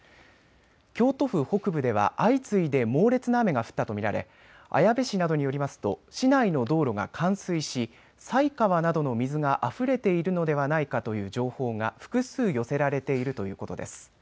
京都府北部では相次いで猛烈な雨が降ったと見られ綾部市などによりますと市内の道路が冠水し犀川などの水があふれているのではないかという情報が複数寄せられているということです。